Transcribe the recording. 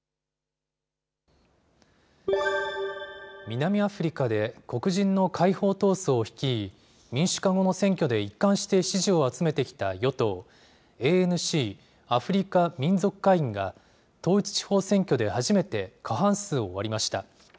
南アフリカで、黒人の解放闘争を率い、民主化後の選挙で一貫して支持を集めてきた与党・ＡＮＣ・アフリカ民族会議が、統一地方選挙で初めて過半数を割りました。